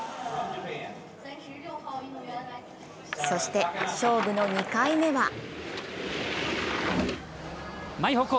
そして勝負の２回目は！